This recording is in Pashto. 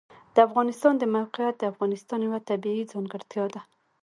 د افغانستان د موقعیت د افغانستان یوه طبیعي ځانګړتیا ده.